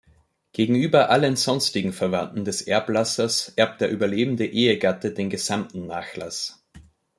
Gegenüber allen sonstigen Verwandten des Erblassers erbt der überlebende Ehegatte den gesamten Nachlass.